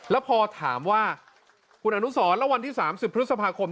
แล้วพอถามว่าคุณอนุสรแล้ววันที่๓๐พฤษภาคม